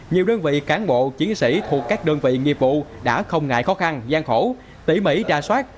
nhiều đơn vị cán bộ chiến sĩ thuộc các đơn vị nghiệp vụ đã không ngại khó khăn gian khổ tỉ mỉ trà soát